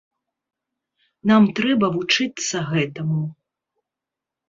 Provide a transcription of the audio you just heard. Нам трэба вучыцца гэтаму.